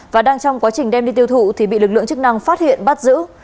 và đang trong quá trình đem đi tiêu thụ thì bị lực lượng chức năng phát hiện bắt giữ